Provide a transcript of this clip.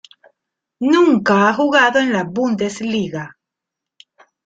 Nunca ha jugado en la Bundesliga.